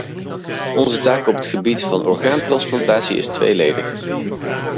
Onze taak op het gebied van orgaantransplantatie is tweeledig.